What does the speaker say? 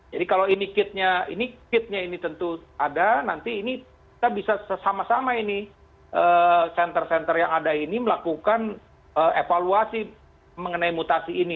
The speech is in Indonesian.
jadi kalau ini kitnya ini kitnya ini tentu ada nanti ini kita bisa sama sama ini senter senter yang ada ini melakukan evaluasi mengenai mutasi ini